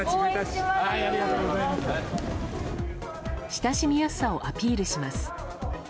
親しみやすさをアピールします。